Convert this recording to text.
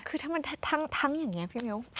คือถ้ามันทั้งอย่างนี้พี่มิ้ว